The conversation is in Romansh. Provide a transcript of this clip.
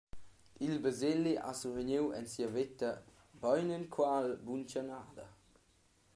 Il Baseli ha survegniu en sia veta beinenqual buntganada.